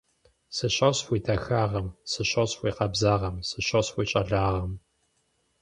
Сыщосхь уи дахагъэм, сыщосхь уи къабзагъэм, сыщосхь уи щӀалагъэм.